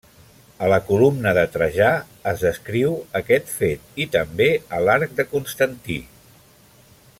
A la columna de Trajà es descriu aquest fet i també a l'arc de Constantí.